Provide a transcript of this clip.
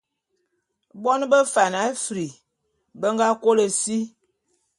Bon bé Fan Afri be nga kôlô si.